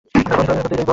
আমরা বন্ধুই রইব।